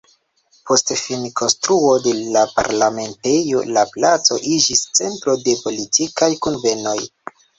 Post finkonstruo de la Parlamentejo la placo iĝis centro de politikaj kunvenoj.